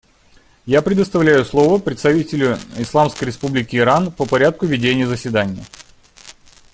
Я предоставляю слово представителю Исламской Республики Иран по порядку ведения заседания.